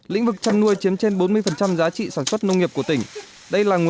lĩnh vực chăn nuôi chiếm trên bốn mươi giá trị sản xuất nông nghiệp của tỉnh